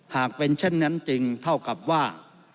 หากเป็นเช่นนั้นจริงเท่ากับว่า